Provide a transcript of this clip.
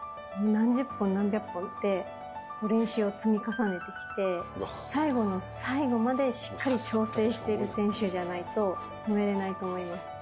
何十本、何百本ってもう練習を積み重ねてきて、最後の最後までしっかり調整している選手じゃないと、止めれないと思います。